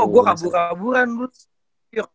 gue kabur kaburan bro